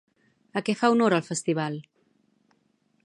A què fa honor el festival?